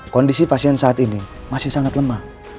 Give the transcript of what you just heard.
kondisi pasien saat ini masih sangat lemah